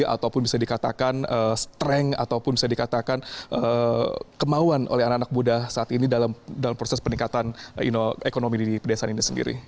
ataupun bisa dikatakan strength ataupun bisa dikatakan kemauan oleh anak anak muda saat ini dalam proses peningkatan ekonomi di pedesaan ini sendiri